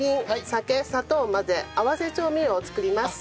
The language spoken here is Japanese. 酒砂糖を混ぜ合わせ調味料を作ります。